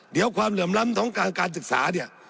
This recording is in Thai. เดี๋ยวความเหลื่อมล้ำของการศึกษาเนี่ย